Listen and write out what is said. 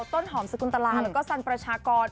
ต้นหอมสกุลตลาแล้วก็สันประชากร